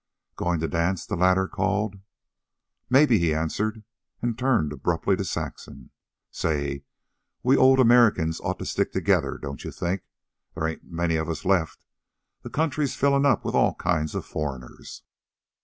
"Goin' to dance?" the latter called. "Mebbe," he answered, and turned abruptly to Saxon. "Say, we old Americans oughta stick together, don't you think? They ain't many of us left. The country's fillin' up with all kinds of foreigners."